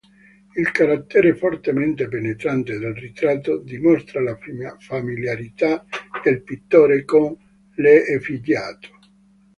Il carattere fortemente penetrante del ritratto dimostra la familiarità del pittore con l'effigiato.